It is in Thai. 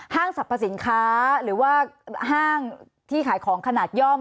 สรรพสินค้าหรือว่าห้างที่ขายของขนาดย่อม